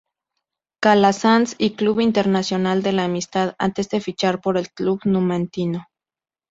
Calasanz y Club Internacional de la Amistad antes de fichar por el club numantino.